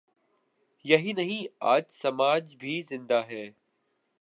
یہی نہیں، آج سماج بھی زندہ ہے۔